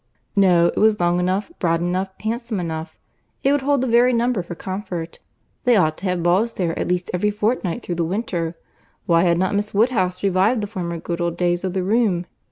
No, it was long enough, broad enough, handsome enough. It would hold the very number for comfort. They ought to have balls there at least every fortnight through the winter. Why had not Miss Woodhouse revived the former good old days of the room?